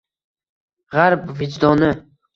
G‘arb vijdoni